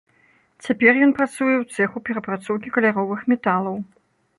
Цяпер ён працуе ў цэху перапрацоўкі каляровых металаў.